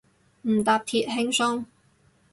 唔搭鐵，輕鬆